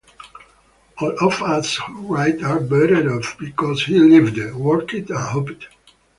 All of us who write are better off because he lived, worked, and hoped.